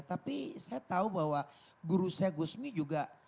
tapi saya tahu bahwa guru saya gus mi juga